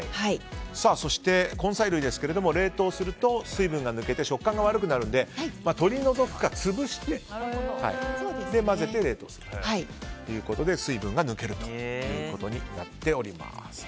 そして、根菜類ですけども冷凍すると水分が抜けて食感が悪くなるので取り除くか、潰して混ぜて冷凍するということで水分が抜けるということになっております。